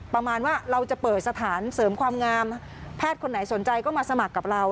ประมาณว่าเราจะเปิดสถานเสริมความงามแพทย์คนไหนสนใจก็มาสมัครกับเรา